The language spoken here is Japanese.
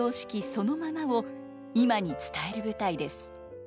そのままを今に伝える舞台です。